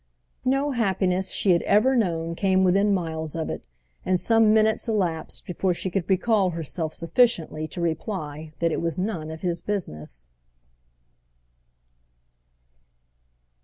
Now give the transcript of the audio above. No happiness she had ever known came within miles of it, and some minutes elapsed before she could recall herself sufficiently to reply that it was none of his business.